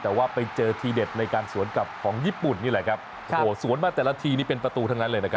แต่ว่าไปเจอทีเด็ดในการสวนกลับของญี่ปุ่นนี่แหละครับโอ้โหสวนมาแต่ละทีนี่เป็นประตูทั้งนั้นเลยนะครับ